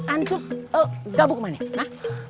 antu gabuk mana